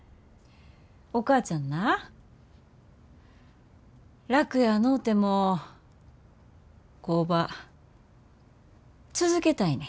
お母ちゃんな楽やのうても工場続けたいねん。